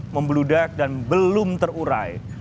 membludak dan belum terurai